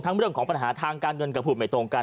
ทั้งเรื่องของปัญหาทางการเงินกับภูมิไม่ตรงกัน